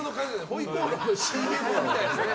ホイコーローのＣＭみたいなね。